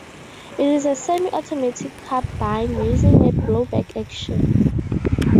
It is a semi-automatic carbine using a blowback action.